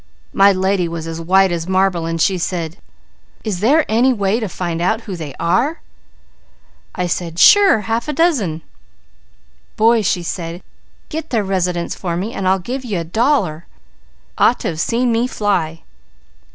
"My lady was as white as marble and she said, 'Is there any way to find out who they are?' I said, 'Sure! Half a dozen!' 'Boy,' she said, 'get their residence for me and I'll give you a dollar.' Ought to seen me fly.